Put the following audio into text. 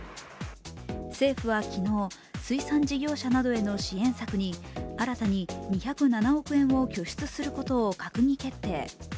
政府は昨日、水産事業者などへの支援策に新たに２０７億円を拠出することを閣議決定。